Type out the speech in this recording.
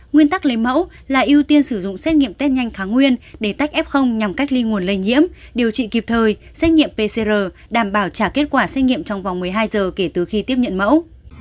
nguyên tắc lấy mẫu là ưu tiên sử dụng xét nghiệm test nhanh tháng nguyên để tách f nhằm cách ly nguồn lây nhiễm điều trị kịp thời xét nghiệm pcr đảm bảo trả kết quả xét nghiệm trong vòng một mươi hai giờ kể từ khi tiếp nhận mẫu